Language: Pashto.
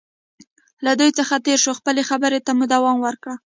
له دوی څخه تېر شو، خپلې خبرې ته مو دوام ورکړ.